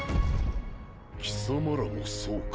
貴様らもそうか。